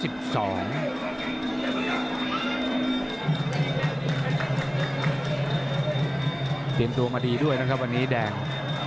เตรียมตัวมาดีด้วยนะครับวันนี้แดง